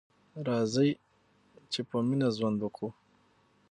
راځئ چې په مینه ژوند وکړو.